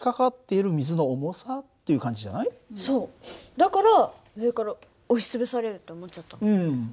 だから上から押し潰されるって思っちゃった。